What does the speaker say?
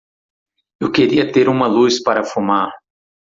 Eu queria ter uma luz para fumar.